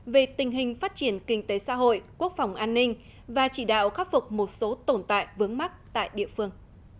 về tình hình phát triển kinh tế xã hội quốc phòng an ninh và chỉ đạo khắc phục một số tồn tại vướng mắc tại địa phương